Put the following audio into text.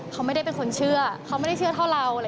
เขาไม่ได้เป็นคนเชื่อเขาไม่ได้เชื่อเท่าเรา